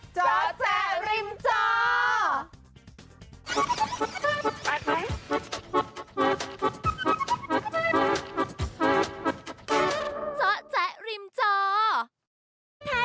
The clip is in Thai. เจ้าแจริมเจ้า